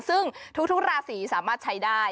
ซึ่งทุกราศีสามารถใช้ได้